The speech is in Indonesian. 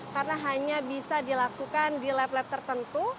karena hanya bisa dilakukan di lab lab tertentu